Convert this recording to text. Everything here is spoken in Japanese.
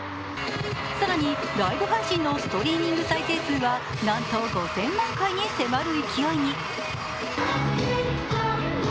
更にライブ配信のストリーミング再生数はなんと５０００万回に迫る勢いに。